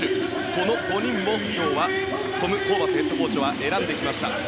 この５人を今日はトム・ホーバスヘッドコーチは選んできました。